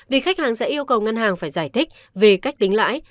vì khách hàng sẽ yêu cầu ngân hàng phải giải thích về cách tính lãi